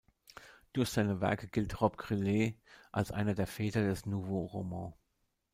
Durch seine Werke gilt Robbe-Grillet als einer der Väter des Nouveau Roman.